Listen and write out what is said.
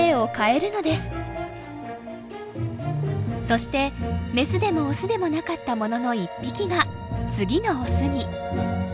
そしてメスでもオスでもなかったものの一匹が次のオスに。